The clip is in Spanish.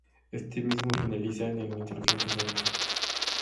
Este mismo Finaliza en el Insurgentes Centro.